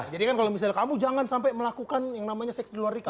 jadi kan kalau misalnya kamu jangan sampai melakukan yang namanya seks di luar nikah